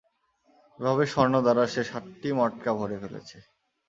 এভাবে স্বর্ণ দ্বারা সে সাতটি মটকা ভরে ফেলেছে।